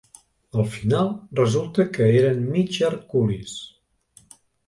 Al final, resulta que eren mig herculis.